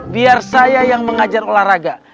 biar saya yang mengajar olahraga